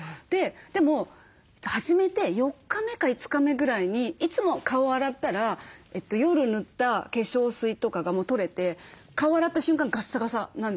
でも始めて４日目か５日目ぐらいにいつも顔洗ったら夜塗った化粧水とかが取れて顔洗った瞬間ガッサガサなんですよ。